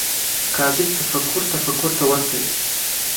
کاذب تفکر تفکر ته ورته وي